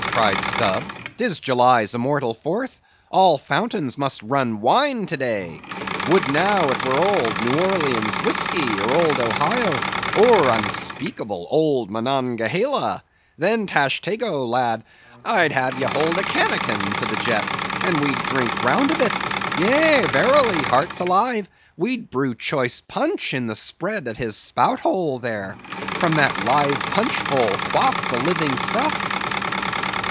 cried Stubb. "'Tis July's immortal Fourth; all fountains must run wine today! Would now, it were old Orleans whiskey, or old Ohio, or unspeakable old Monongahela! Then, Tashtego, lad, I'd have ye hold a canakin to the jet, and we'd drink round it! Yea, verily, hearts alive, we'd brew choice punch in the spread of his spout hole there, and from that live punch bowl quaff the living stuff."